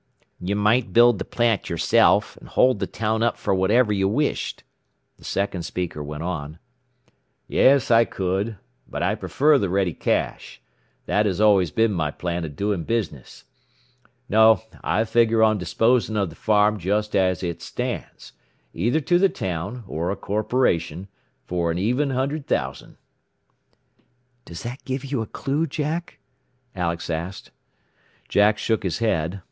"You might build the plant yourself, and hold the town up for whatever you wished," the second speaker went on. "Yes, I could. But I prefer the ready cash. That has always been my plan of doing business. No; I figure on disposing of the farm just as it stands, either to the town, or a corporation, for an even hundred thousand." "Does that give you a clue, Jack?" Alex asked. Jack shook his head.